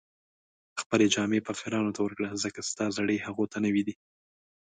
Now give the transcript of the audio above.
خپلې جامې فقیرانو ته ورکړه، ځکه ستا زړې هغو ته نوې دي